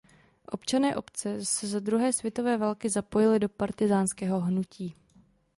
Občané obce se za druhé světové války zapojili do partyzánského hnutí.